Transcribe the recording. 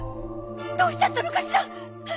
どうしちゃったのかしら。